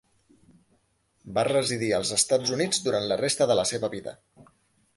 Va residir als Estats Units durant la resta de la seva vida.